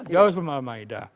jauh sebelum al maida